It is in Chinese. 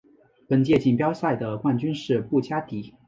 本届锦标赛的冠军是布加迪。